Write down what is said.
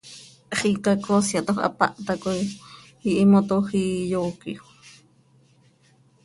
Xiica coosyatoj hapáh tacoi, ihiimotoj íi, yoocyo.